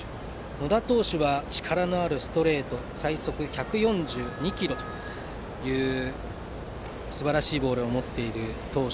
野田投手は力のあるストレート最速１４２キロというすばらしいボールを持つ投手。